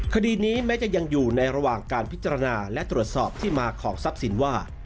คดีนี้แม้จะยังอยู่ในระหว่างการพิจารณาและตรวจสอบที่มาของทรัพย์สินว่า